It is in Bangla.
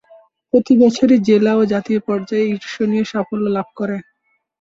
প্রতিবছরই জেলা ও জাতীয় পর্যায়ে ঈর্ষণীয় সাফল্য লাভ করে।